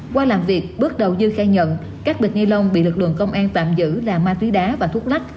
qua làm việc bước đầu dư khai nhận các bịch ni lông bị lực lượng công an tạm giữ là ma túy đá và thuốc lách